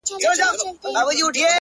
زريني کرښي د لاهور په لمر لويده کي نسته-